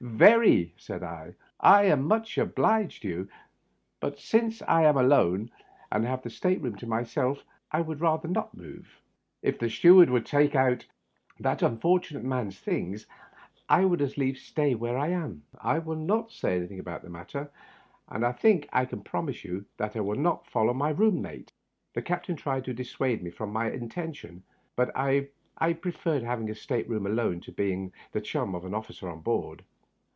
"Very," said I; "I am much obliged to you. But since I am alone, and have the state room to myself, I would rather not move. If the steward would take out Digitized by VjOOQIC 32 THE UPPER BERTH. that unfortunate man's things, I wonld as lief stay where I am. I will not say anything about the matter, and I think I can promise you that I will not follow my room mate." The captain tried to dissuade me from my intention, but I preferred having a state room alone to being the chum of any oflBcer on board.